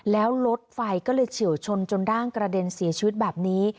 แล้วรถไฟก็เลยเฉียวชนจนร่างกระเด็นเสียชีวิตแบบนี้